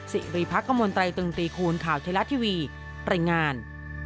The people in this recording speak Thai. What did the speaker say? สิริพักกมลตรายตึงตรีคูณข่าวเทราะทีวีรายงาน